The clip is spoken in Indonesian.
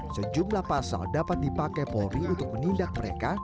sejumlah pasal dapat dipakai polri untuk menindak mereka